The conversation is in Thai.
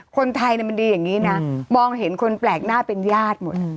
คนไทยมันดีอย่างนี้นะมองเห็นคนแปลกหน้าเป็นญาติหมด